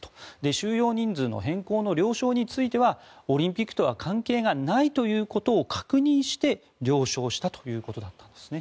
収容人数の変更の了承についてはオリンピックとは関係がないということを確認して了承したということだったんですね。